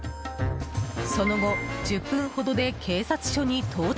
その後、１０分ほどで警察署に到着。